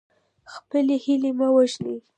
خپلې هیلې مه وژنئ.